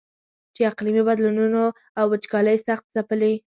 چې اقلیمي بدلونونو او وچکالۍ سخت ځپلی.